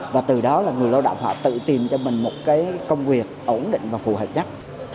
và từ đó là người lao động họ tự tìm cho mình một cái công việc ổn định và phù hợp nhất